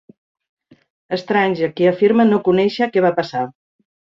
Strange, qui afirma no conèixer què va passar.